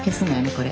これ。